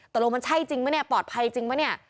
ตะโลมันใช่จริงไหมปลอดภัยจริงไหม